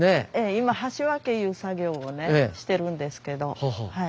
今箸分けいう作業をねしてるんですけどはい。